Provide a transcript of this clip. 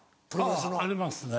あぁありますね。